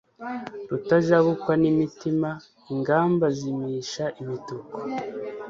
Rutajabukwa n'imitima ingamba zimisha imituku,